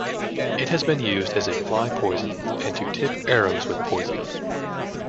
It has been used as a fly poison and to tip arrows with poison.